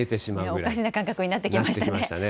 おかしな感覚になってきましたね。